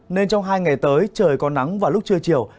nên trong hai ngày tới trời có nắng vào lúc trưa chiều